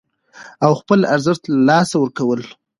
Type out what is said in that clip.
او خپل ارزښت له لاسه ورکوي